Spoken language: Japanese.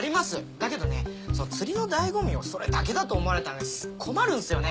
だけどね釣りの醍醐味をそれだけだと思われたらね困るんすよね